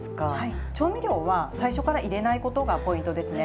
調味料は最初から入れないことがポイントですね。